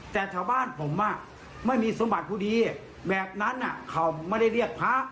แต่ชาวบ้านผมไม่มีสมบัติผู้ดีแบบนั้นเขาไม่ได้เรียกพระ